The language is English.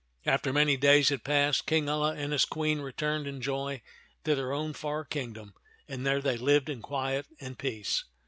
After many days had passed, King Alia and his Queen returned in joy to their own far kingdom, and there they lived in quiet and peace.